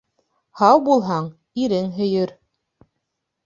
Һау булһаң, ирең һөйөр.